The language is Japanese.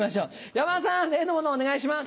山田さん例のものをお願いします。